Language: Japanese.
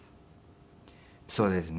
そうですね。